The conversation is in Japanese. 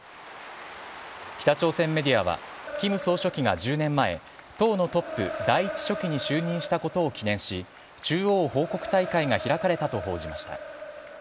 北朝鮮メディアは、キム総書記が１０年前、党のトップ、第１書記に就任したことを記念し、中央報告大会が開かれたと報じました。